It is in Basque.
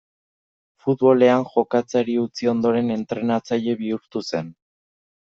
Futbolean jokatzeari utzi ondoren, entrenatzaile bihurtu zen.